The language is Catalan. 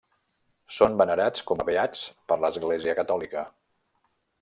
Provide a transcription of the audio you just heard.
Són venerats com a beats per l'Església Catòlica.